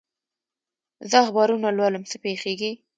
زه اخبارونه لولم، څه پېښېږي؟